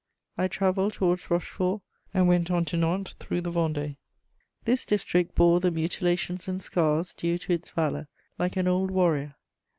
I travelled towards Rochefort, and went on to Nantes through the Vendée. This district bore the mutilations and scars due to its valour, like an old warrior.